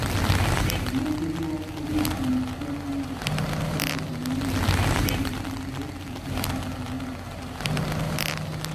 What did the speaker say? Omwogezi wa Poliisi mu ggwanga Fred Enanga, yategeezezza nti woofiisi zino zonna ziggaddwa.